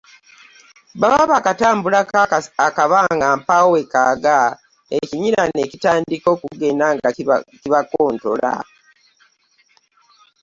Baba baakatambulako akabanga mpawekaaga ekinnyira ne kitandika okugenda nga kibakontola